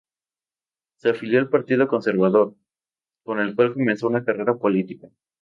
Se afilió al Partido Conservador, con el cual comenzó una carrera política.